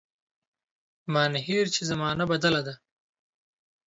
مانهیر چي زمانه بدله ده